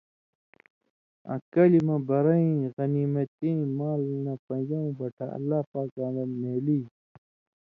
آں کلیۡ مہ بَرئیں (غنیمتِیں) مال نہ پن٘ژؤں بٹھہ (اللہ پاکاں دَن) نھېلی۔